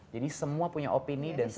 jadi semua punya opini dan semua